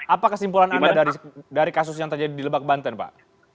apa kesimpulan anda dari kasus yang terjadi di lebak banten pak